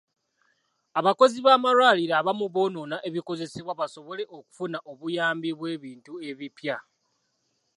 Abakozi b'amalwaliro abamu bonoona ebikozesebwa basobole okufuna obuyambi bw'ebintu ebipya.